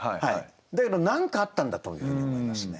だけど何かあったんだというふうに思いますね。